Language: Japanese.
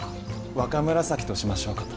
若紫としましょうかと。